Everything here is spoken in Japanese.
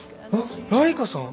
ラライカさん！？